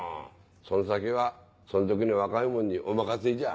その先はそん時の若いもんにお任せじゃ。